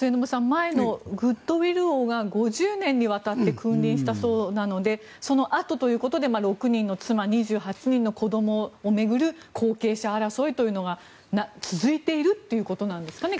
前のグッドウィル王が５０年にわたって君臨したそうなのでそのあとということで６人の妻、２８人の子どもを巡る後継者争いというのが続いているということですかね